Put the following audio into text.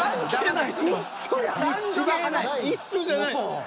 一緒じゃない。